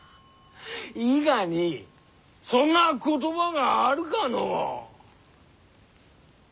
伊賀にそんな言葉があるかのう。